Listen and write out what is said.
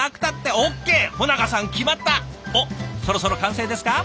おっそろそろ完成ですか？